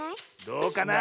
どうかな？